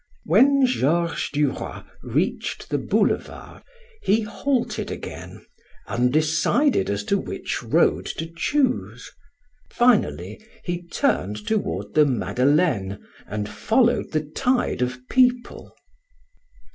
When Georges Duroy reached the boulevard he halted again, undecided as to which road to choose. Finally he turned toward the Madeleine and followed the tide of people.